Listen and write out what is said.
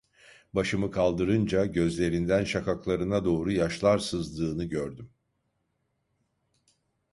Başımı kaldırınca gözlerinden şakaklarına doğru yaşlar sızdığını gördüm.